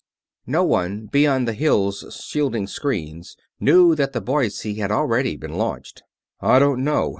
No one beyond the "Hill's" shielding screens knew that the Boise had already been launched. "I don't know.